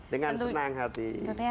dengan senang hati